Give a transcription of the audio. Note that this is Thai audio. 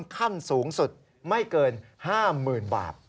ขั้นสูงสุดไม่เกิน๕๐๐๐บาท